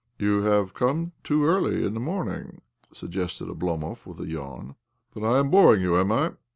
" You have come too early in the morn ing," suggested Oblomov with a yawn. " Then I am boring you, am I